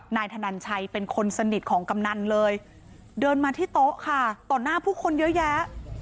นายธนันชัยเป็นคนสนิทของกำนันเลยเดินมาที่โต๊ะค่ะต่อหน้าผู้คนเยอะแยะ